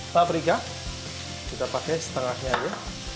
paprika kita pakai setengahnya aja